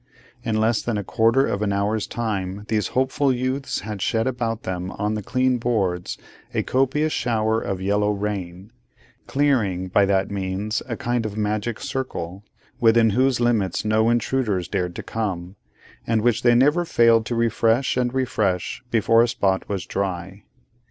In less than a quarter of an hour's time, these hopeful youths had shed about them on the clean boards, a copious shower of yellow rain; clearing, by that means, a kind of magic circle, within whose limits no intruders dared to come, and which they never failed to refresh and re refresh before a spot was dry.